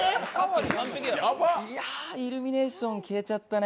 いやぁ、イルミネーション消えちゃったね。